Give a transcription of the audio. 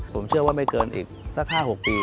ผมเชื่อว่าไม่เกินอีกสัก๕๖ปี